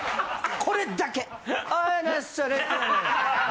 これだけ。